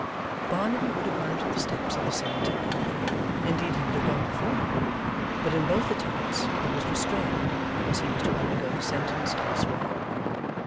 Barnaby would have mounted the steps at the same time indeed he would have gone before them, but in both attempts he was restrained, as he was to undergo the sentence elsewhere.